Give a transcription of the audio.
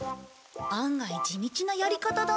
案外地道なやり方だね。